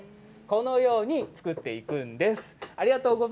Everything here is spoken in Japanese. このように作っていきます。